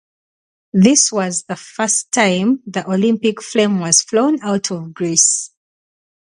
This was the first time the Olympic flame was flown out of Greece.